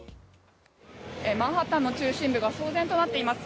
マンハッタンの中心部が騒然となっています。